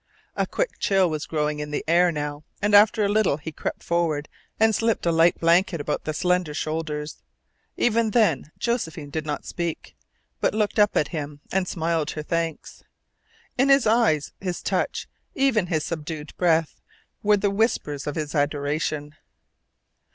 A quick chill was growing in the air now and after a little he crept forward and slipped a light blanket about the slender shoulders. Even then Josephine did not speak, but looked up at him, and smiled her thanks. In his eyes, his touch, even his subdued breath, were the whispers of his adoration.